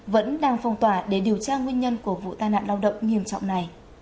vẫn đang phong tỏa để điều tra nguyên nhân của vụ tai nạn lao động nghiêm trọng này